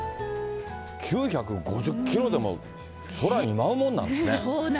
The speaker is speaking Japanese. ９５０キロでも空に舞うもんなんですね。